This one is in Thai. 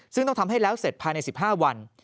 ซึ่งต้องทำให้แล้วเสร็จภายใน๑๕วัน